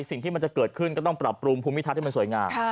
สิ่งที่มันจะเกิดขึ้นก็ต้องปรับปรุงภูมิทัศน์ให้มันสวยงาม